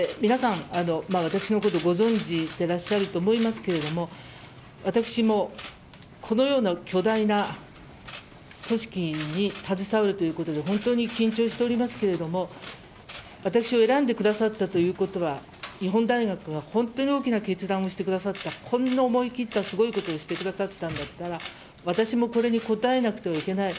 私のことをご存じでいらっしゃると思いますけれども私もこのような巨大な組織に携わるということで本当に緊張しておりますけれども私を選んでくださったということは日本大学が本当に大きな決断をしてくださったこんな思い切った大きなことをしてくださったんだったら私もこれに応えなくてはいけない。